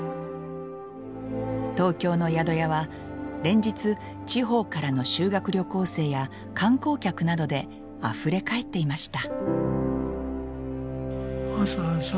東京の宿屋は連日地方からの修学旅行生や観光客などであふれ返っていました。